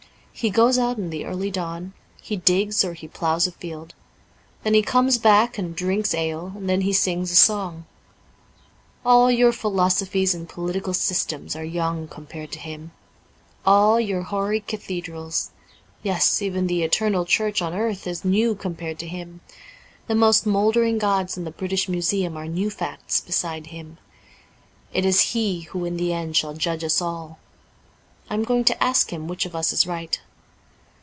He goes out in the early dawn ; he digs or he ploughs a field. Then he comes back and drinks ale, and then he sings a song. All your philosophies and political systems are young com pared to him. All your hoary cathedrals — yes, even the Eternal Church on earth is new compared to him. The most mouldering gods in the British Museum are new facts beside him. It is he who in the end shall judge us all. I am going to ask him which of us is right.'